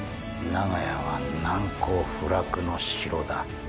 長屋は難攻不落の城だ。